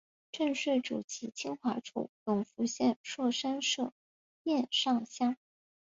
郑橞祖籍清华处永福县槊山社忭上乡。